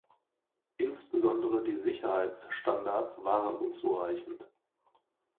Insbesondere die Sicherheitsstandards waren unzureichend.